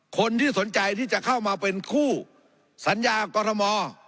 คนที่สนใจที่จะเข้ามาเป็นคู่สัญญากรทม